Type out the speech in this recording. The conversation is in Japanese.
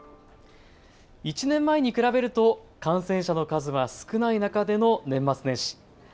１年前に比べると感染者の数は少ない中での年末年始。